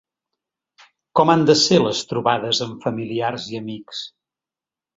Com han de ser les trobades amb familiars i amics?